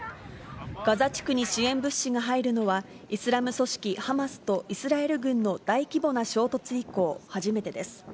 ガザ地区に支援物資が入るのはイスラム組織ハマスとイスラエル軍の大規模な衝突以降、初めてです。